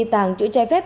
tàng chữ chai phép